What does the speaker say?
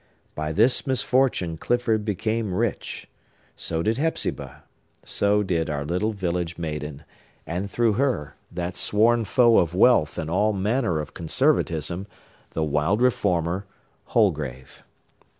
By this misfortune Clifford became rich; so did Hepzibah; so did our little village maiden, and, through her, that sworn foe of wealth and all manner of conservatism,—the wild reformer,—Holgrave!